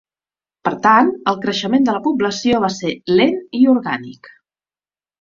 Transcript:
Per tant, el creixement de la població va ser lent i orgànic.